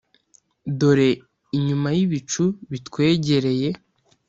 dore inyuma yibicu bitwegereye